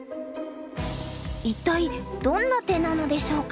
一体どんな手なのでしょうか。